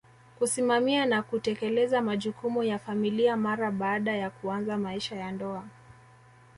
kusimamia na kutekeleza majukumu ya familia mara baada ya kuanza maisha ya ndoa